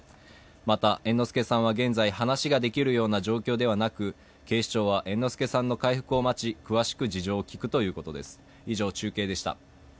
また、猿之助さんは現在、話ができるような状況ではなく警視庁は猿之助さんの回復を待ち、詳しく事情を聴くということです。